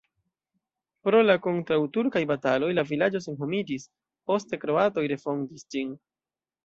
Pro la kontraŭturkaj bataloj la vilaĝo senhomiĝis, poste kroatoj refondis ĝin.